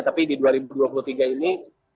tapi di dua ribu dua puluh tiga ini